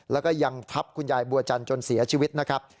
แล้วก็ยังทับคุณยายบัวจันทร์จนเสียชีวิตนะครับ